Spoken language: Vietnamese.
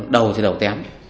đầu thì đầu tém